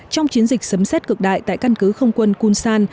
trong chiến dịch sấm xét cực đại tại căn cứ không quân kunsan